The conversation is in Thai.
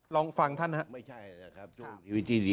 ลองฟังท่านนะครับ